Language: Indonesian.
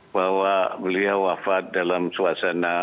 bahwa beliau wafat dalam suasana